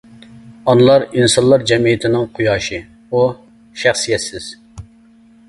ئانىلار ئىنسانلار جەمئىيىتىنىڭ قۇياشى، ئۇ شەخسىيەتسىز.